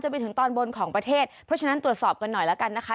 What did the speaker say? ไปถึงตอนบนของประเทศเพราะฉะนั้นตรวจสอบกันหน่อยแล้วกันนะคะ